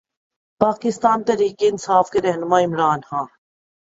پاکستان تحریک انصاف کے رہنما عمران خان